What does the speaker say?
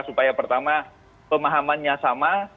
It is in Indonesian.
supaya pertama pemahamannya sama